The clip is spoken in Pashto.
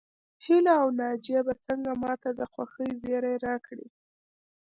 هيله او ناجيه به څنګه ماته د خوښۍ زيری راکړي